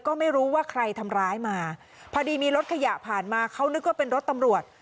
ก็ไม่รู้ว่าใครทำร้ายมาพอดีมีรถขยะผ่านมาเขานึกว่าเป็นรถตำรวจ